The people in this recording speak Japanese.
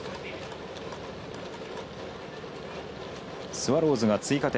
スワローズが追加点。